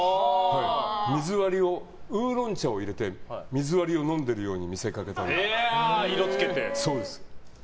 水割りにウーロン茶を入れて水割りを飲んでいるように見せかけたり。